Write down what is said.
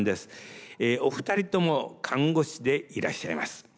お二人とも看護師でいらっしゃいます。